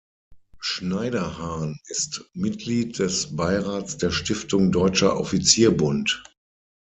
Schneiderhan ist Mitglied des Beirats der Stiftung Deutscher Offizier Bund.